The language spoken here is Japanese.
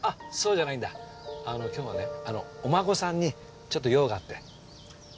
そうじゃないんだ今日はねお孫さんにちょっと用があって。